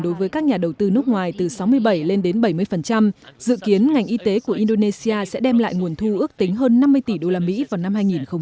đối với các nhà đầu tư nước ngoài từ sáu mươi bảy lên đến bảy mươi dự kiến ngành y tế của indonesia sẽ đem lại nguồn thu ước tính hơn năm mươi tỷ usd vào năm hai nghìn hai mươi